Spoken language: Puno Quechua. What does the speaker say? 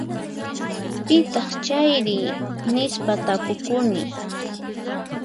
Pitaq chayri? Nispa tapukuni.